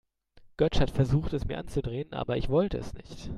Götsch hat versucht, es mir anzudrehen, aber ich wollte es nicht.